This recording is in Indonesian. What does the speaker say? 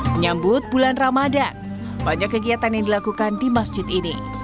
menyambut bulan ramadan banyak kegiatan yang dilakukan di masjid ini